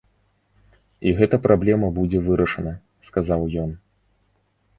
І гэта праблема будзе вырашана, сказаў ён.